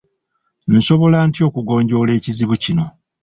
Nsobola ntya okugonjoola ekizibu kino?